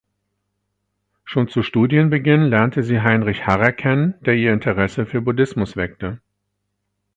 Schon zu Studienbeginn lernte sie Heinrich Harrer kennen, der ihr Interesse für Buddhismus weckte.